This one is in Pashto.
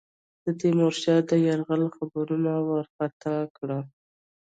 د تیمورشاه د یرغل خبرونو وارخطا کړه.